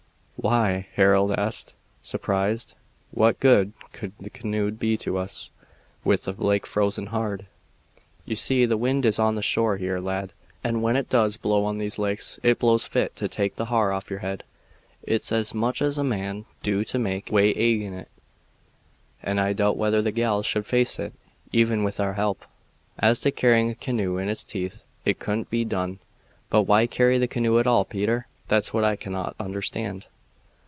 "Why?" Harold asked, surprised. "What good could the canoe be to us, with the lake frozen hard?" "You see, the wind is on the shore here, lad, and when it does blow on these lakes it blows fit to take the har off your head. It's as much as a man can do to make way agin' it, and I doubt whether the gals could face it, even with our help. As to carrying a canoe in its teeth, it couldn't be done." "But why carry the canoe at all, Peter? That's what I cannot understand."